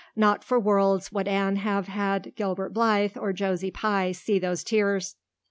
Not for worlds would Anne have had Gilbert Blythe or Josie Pye see those tears.